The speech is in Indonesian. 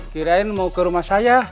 kirain mau ke rumah saya